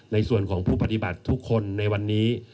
ในส่วนของผู้ปฏิบัติทุกคนในวันนี้